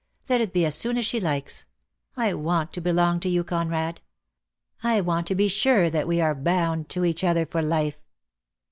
Let it be as soon as she likes. I want to belong to you, Conrad. I want to be sure that we are bound to each other for life."